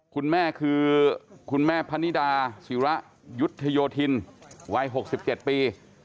คุณแม่คือคุณแม่พนิดาศิระยุทธโยธินวัย๖๗ปี